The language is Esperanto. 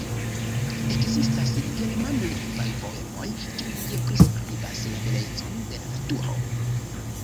Ekzistas germanlingvaj poemoj, kiuj priskribas la belecon de la naturo.